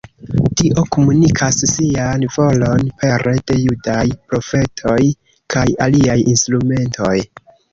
Dio komunikas sian volon pere de judaj profetoj kaj aliaj instrumentoj.